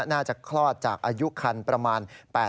น่าจะคลอดจากอายุคันประมาณ